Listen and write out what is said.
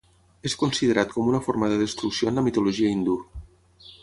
És considerat com una forma de destrucció en la mitologia hindú.